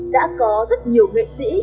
đã có rất nhiều nghệ sĩ